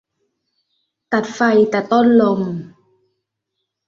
ตัดไฟแต่ต้นลม